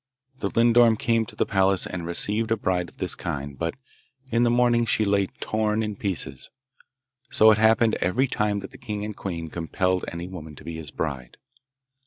The lindorm came to the palace and received a bride of this kind, but in the morning she lay torn in pieces. So it happened every time that the king and queen compelled any woman to be his bride.